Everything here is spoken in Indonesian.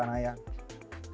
saya tuh di politik tuh kecemplung